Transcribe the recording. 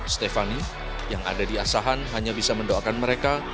stefani yang ada di asahan hanya bisa mendoakan mereka